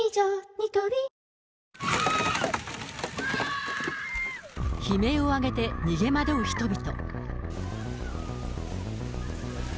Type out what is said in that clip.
ニトリ悲鳴を上げて逃げ惑う人々。